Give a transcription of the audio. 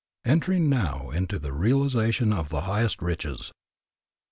ENTERING NOW INTO THE REALIZATION OF THE HIGHEST RICHES.